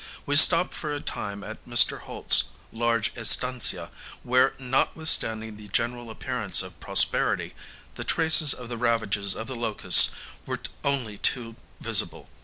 We stopped for a time at Mr. Holt's large estancia, where, notwithstanding the general appearance of prosperity, the traces of the ravages of the locusts were only too visible.